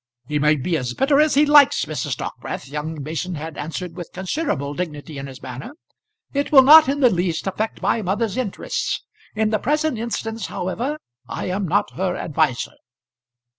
"He may be as bitter as he likes, Mrs. Dockwrath," young Mason had answered with considerable dignity in his manner. "It will not in the least affect my mother's interests. In the present instance, however, I am not her adviser."